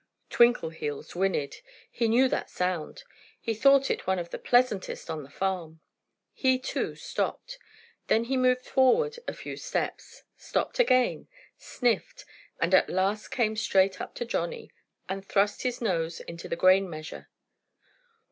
Twinkleheels whinnied. He knew that sound. He thought it one of the pleasantest on the farm. He, too, stopped. Then he moved forward a few steps, stopped again, sniffed, and at last came straight up to Johnnie and thrust his nose into the grain measure.